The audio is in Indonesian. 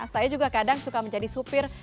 saya juga kadang suka menjadi supir